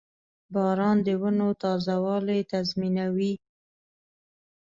• باران د ونو تازهوالی تضمینوي.